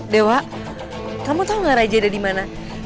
dewa kamu tahu nggak raja ada di mana